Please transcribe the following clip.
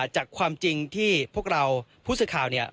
จากความจริงที่พวกเราผู้สื่อข่าวเนี่ย